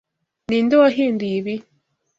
Ninde wahinduye ibi?